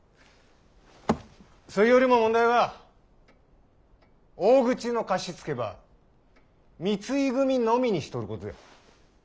そいよりも問題は大口の貸し付けば三井組のみにしとるこつや。